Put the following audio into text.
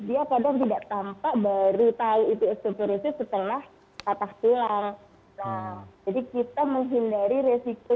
dia pada tidak tampak baru tahu itu osteoporosis setelah patah tulang jadi kita menghindari resiko